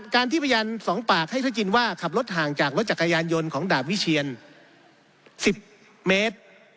การที่พยานสองปากให้เธอกินว่าขับรถห่างจากรถจักรยานยนต์ของดาบวิเชียน๑๐เมตร